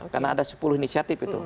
karena ada sepuluh inisiatif itu